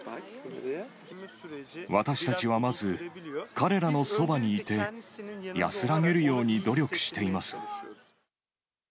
私たちはまず、彼らのそばにいて、安らげるように努力しています。